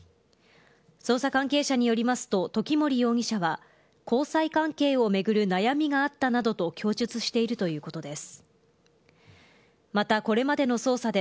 捜査関係者によりますと、時森容疑者は、交際関係を巡る悩みがあったなどと供述しているということです。